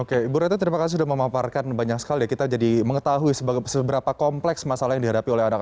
oke ibu retno terima kasih sudah memaparkan banyak sekali kita jadi mengetahui seberapa kompleks masalah yang dihadapi oleh anak anak